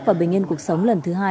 và bình yên cuộc sống lần thứ hai